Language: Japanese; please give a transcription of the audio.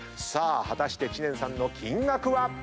さあ果たして知念さんの金額は？